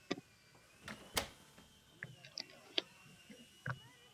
Faollar og‘iz ushlab kuldi.